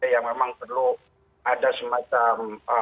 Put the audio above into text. ya memang perlu ada semacam